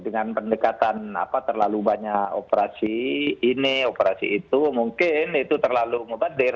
dengan pendekatan terlalu banyak operasi ini operasi itu mungkin itu terlalu mubadir